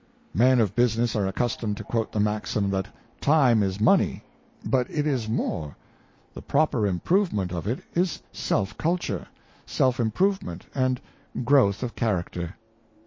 " Men of business are accustomed to quote the maxim that Time is money ; but it is more ; the proper improvement of it is self culture, self im provement, and growth of character.